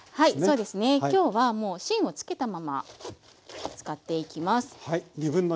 そうですね今日はもう芯を付けたまま使っていきます。